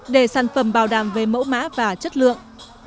để sản phẩm bảo đảm về mẫu mã và chất lượng